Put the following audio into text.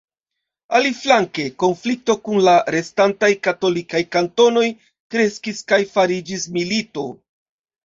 Aliflanke, konflikto kun la restantaj katolikaj kantonoj kreskis kaj fariĝis milito.